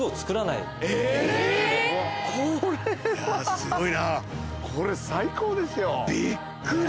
すごいなこれ最高ですよ。びっくり！